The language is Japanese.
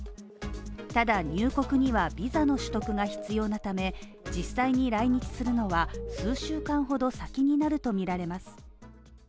ただ、入国にはビザの取得が必要なため実際に来日するのは数週間ほど先になるとみられます。